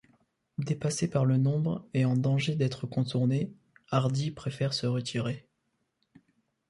Dépassé par le nombre et en danger d'être contourné, Hardee préfère se retirer.